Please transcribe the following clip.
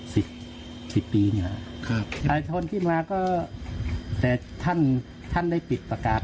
สิบสิบปีนี่แหละครับหลายคนที่มาก็แต่ท่านท่านได้ปิดประกาศ